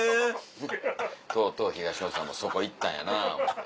とうとう東野さんもそこ行ったんやなぁ思うて。